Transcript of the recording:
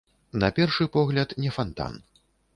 На першы погляд, не фантан.